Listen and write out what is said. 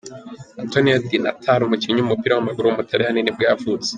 Antonio Di Natale, umukinnyi w’umupira w’amaguru w’umutaliyani nibwo yavutse.